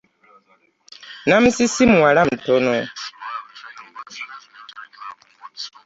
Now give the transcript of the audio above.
Namusisi muwala mutono.